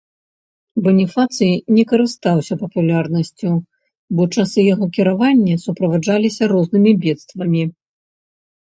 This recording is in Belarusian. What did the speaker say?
Баніфацый не карыстаўся папулярнасцю, бо часы яго кіравання суправаджаліся рознымі бедствамі.